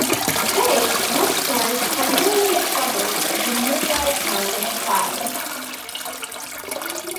Today, Lescar is primarily a suburb of the nearby town of Pau.